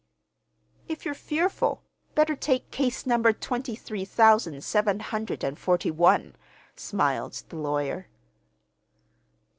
"If you're fearful, better take Case number twenty three thousand seven hundred and forty one," smiled the lawyer.